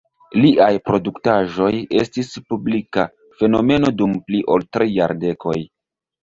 Liaj produktaĵoj estis publika fenomeno dum pli ol tri jardekoj.